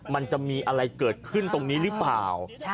มันจะมีอะไรเกิดขึ้นตรงนี้หรือเปล่า